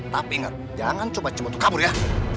tapi ingat jangan coba coba untuk kabur ya